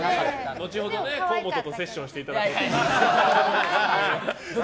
後ほど河本とセッションしていただいて。